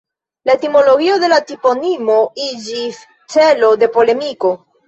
La etimologio de la toponimo iĝis celo de polemiko.